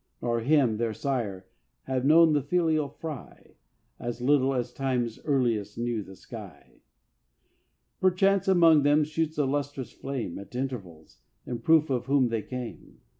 Nor him, their sire, have known the filial fry: As little as Time's earliest knew the sky. Perchance among them shoots a lustrous flame At intervals, in proof of whom they came.